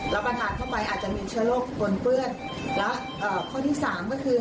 ประทานเข้าไปอาจจะมีเชื้อโรคปนเปื้อนแล้วเอ่อข้อที่สามก็คือ